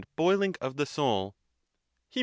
boiling of the soul ; tfu.